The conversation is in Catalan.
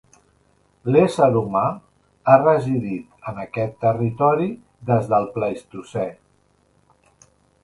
L'ésser humà ha residit en aquest territori des del Plistocè.